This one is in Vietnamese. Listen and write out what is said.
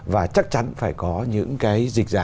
và chắc chắn phải có những cái dịch giả